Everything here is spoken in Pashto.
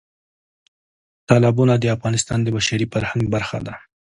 تالابونه د افغانستان د بشري فرهنګ برخه ده.